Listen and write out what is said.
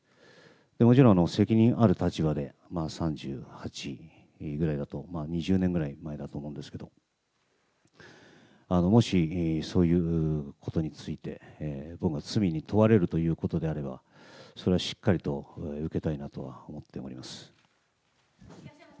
もちろん、責任ある立場で、３８ぐらいだと、２０年ぐらい前だと思うんですけれども、もしそういうことについて、僕が罪に問われるということであれば、それはしっかりと受けたいなとは思っております。